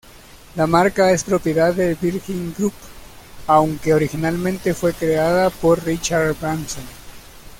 La marca es propiedad del Virgin Group, aunque originalmente fue creada por Richard Branson.